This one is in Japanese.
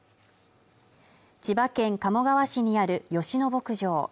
千葉県鴨川市にある吉野牧場